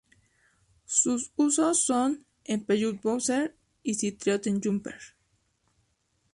Sus usos son en el Peugeot Boxer y Citroën Jumper.